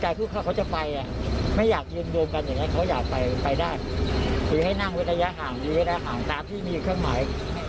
อยู่เว้นระยะห่างตามที่มีเครื่องหมาย